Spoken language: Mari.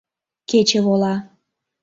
Кече вола.